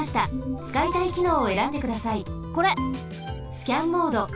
スキャンモード。